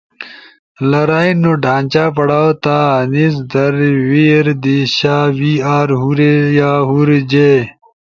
لرائی نو ڈھانچہ پڑاؤ تھا آنیز در we, re دی شا we are یا ہُور جے۔